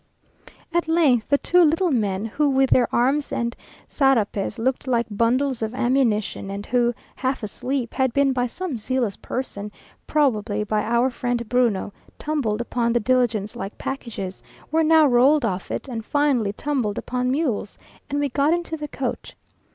At length the two little men, who with their arms and sarapes looked like bundles of ammunition, and who, half asleep, had been by some zealous person, probably by our friend Bruno, tumbled upon the diligence like packages, were now rolled off it, and finally tumbled upon mules, and we got into the coach.